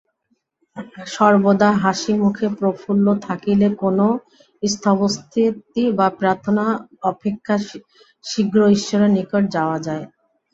সর্বদা হাসিমুখে প্রফুল্ল থাকিলে কোন স্তবস্তুতি বা প্রার্থনা অপেক্ষা শীঘ্র ঈশ্বরের নিকট যাওয়া যায়।